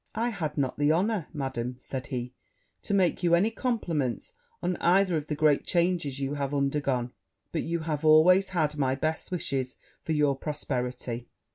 'I had not the honour, Madam,' said he, 'to make you any compliments on either of the great changes you have undergone; but you have always had my best wishes for your prosperity.'